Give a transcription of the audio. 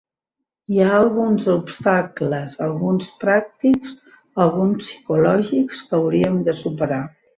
Hi ha alguns obstacles, alguns pràctics, alguns psicològics, que hauríem de superar.